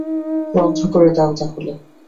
বন্ধ করে দাও, তাহলে।